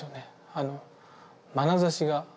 あのまなざしが。